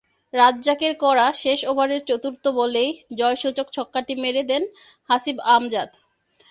রাজ্জাকের করা শেষ ওভারের চতুর্থ বলেই জয়সূচক ছক্কাটি মেরে দেন হাসিব আমজাদ।